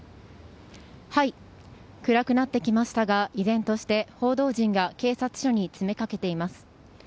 暗くなってきましたが依然として、報道陣が警察署に詰めかけています。